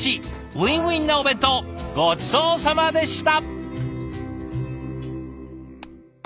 ウィンウィンなお弁当ごちそうさまでした！